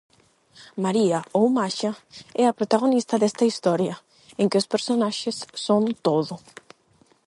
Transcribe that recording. María, ou Maxa, é a protagonista desta historia en que os personaxes son todo.